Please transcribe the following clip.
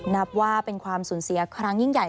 นับว่าเป็นความสูญเสียครั้งยิ่งใหญ่